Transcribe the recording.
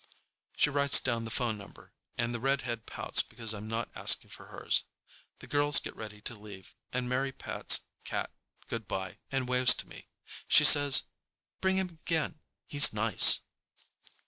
She writes down the phone number, and the redhead pouts because I'm not asking for hers. The girls get ready to leave, and Mary pats Cat good bye and waves to me. She says, "Bring him again. He's nice."